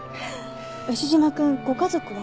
牛島くんご家族は？